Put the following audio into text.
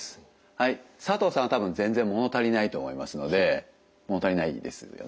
はい佐藤さんは多分全然物足りないと思いますので物足りないですよね？